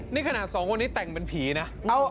นี่ขนาดสองคนนี้แต่งเป็นผีนะ